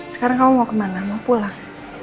sekarang kamu mau kemana mau pulang